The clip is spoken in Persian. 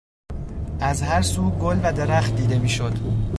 از هر سو گل و درخت دیده میشد.